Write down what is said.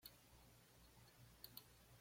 Se consume como un aperitivo o un entrante.